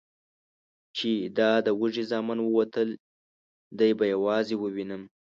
چې دا د وږي زامن ووتل، دی به یوازې ووینم؟